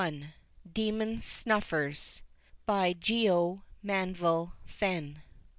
THE DEMON SNUFFERS. GEO. MANVILLE FENN.